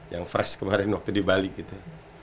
yang fresh kemarin waktu di bali gitu